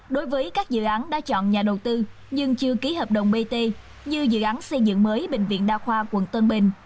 đối với các dự án đã chọn nhà đầu tư nhưng chưa ký hợp đồng bt như dự án xây dựng mới bệnh viện đa khoa quận tân bình